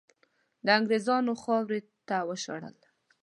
د انګریزانو خاورې ته وشړل.